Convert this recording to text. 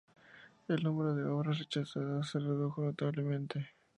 El número de obras rechazadas se redujo notablemente.